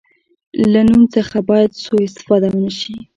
له نوم څخه باید سوء استفاده ونه شي.